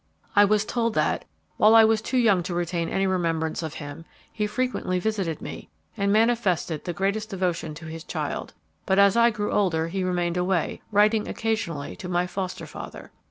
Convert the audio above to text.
I was told that, while I was too young to retain any remembrance of him, he frequently visited me and manifested the greatest devotion to his child, but as I grew older he remained away, writing occasionally to my foster father.